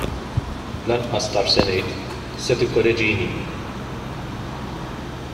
Lanqas taf x'se ngħid, se tikkoreġini!